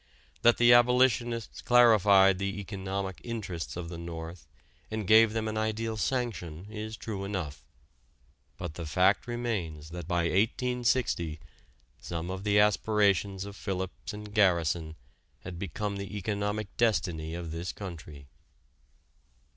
That the abolitionists clarified the economic interests of the North and gave them an ideal sanction is true enough. But the fact remains that by 1860 some of the aspirations of Phillips and Garrison had become the economic destiny of this country.